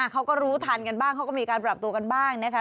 เขาก็รู้ทันกันบ้างเขาก็มีการปรับตัวกันบ้างนะคะ